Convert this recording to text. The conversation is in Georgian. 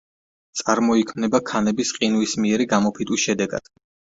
წარმოიქმნება ქანების ყინვისმიერი გამოფიტვის შედეგად.